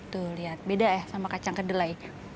tuh lihat beda ya sama kacang kedelai